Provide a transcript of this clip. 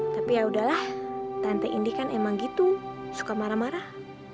tapi yaudahlah tante ini kan emang gitu suka marah marah